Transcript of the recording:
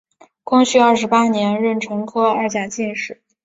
光绪十八年壬辰科二甲进士。